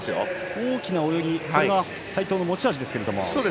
大きな泳ぎが齋藤の持ち味ですけれども。